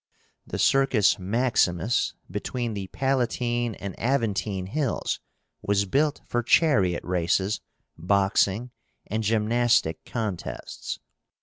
The CIRCUS MAXIMUS. between the Palatine and Aventine Hills, was built for chariot races, boxing, and gymnastic contests.